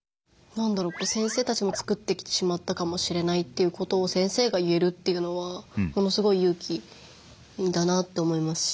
先生たちもつくってきてしまったかもしれないっていうことを先生が言えるっていうのはものすごい勇気だなと思いますし。